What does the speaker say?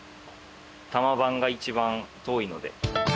多摩版が一番遠いので。